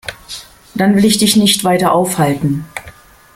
Dann will ich dich nicht weiter aufhalten.